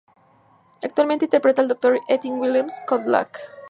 Actualmente interpreta al Dr. Ethan Willis "Code Black".